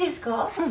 うん。